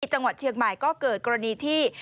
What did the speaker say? จังหวัดเชียงใหม่ก็เกิดกรณีที่